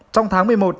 trong tháng một mươi một